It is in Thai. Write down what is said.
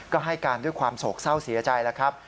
ก็ให้การด้วยความโศกเศร้าเสียใจแล้วครับ